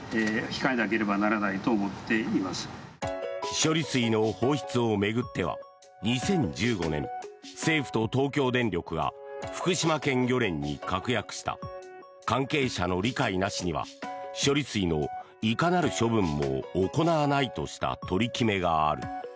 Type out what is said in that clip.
処理水の放出を巡っては２０１５年政府と東京電力が福島県漁連に確約した関係者の理解なしには処理水のいかなる処分も行わないとした取り決めがある。